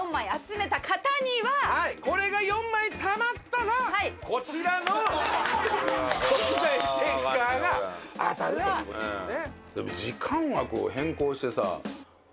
これが４枚たまったらこちらの特大ステッカーが当たるという事ですね。